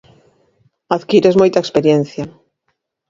Adquires moita experiencia.